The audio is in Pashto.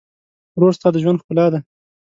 ورور ستا د ژوند ښکلا ده.